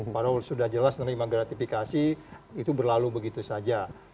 padahal sudah jelas menerima gratifikasi itu berlalu begitu saja